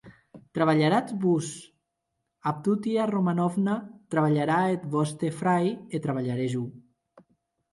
Trabalharatz vos, Avdotia Romanovna, trabalharà eth vòste frair e trabalharè jo.